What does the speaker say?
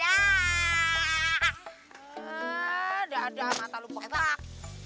hah dada mata lu pokok